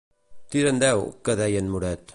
Tira'n deu, que deia en Moret.